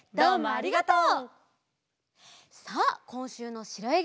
ありがとう。